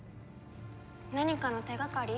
何かの手掛かり？